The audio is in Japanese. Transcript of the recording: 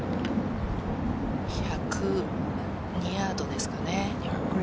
１０２ヤードですかね。